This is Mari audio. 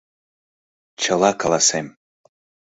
«Чыла каласем».